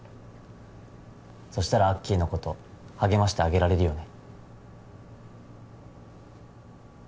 そしたらアッキーのこと励ましてあげられるよね